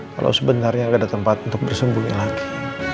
kalau sebenarnya nggak ada tempat untuk bersembunyi lagi